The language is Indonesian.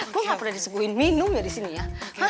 gue gak pernah disuguhin minum ya di sini ya